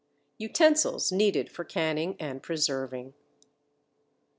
UTENSILS NEEDED FOR CANNING AND PRESERVING.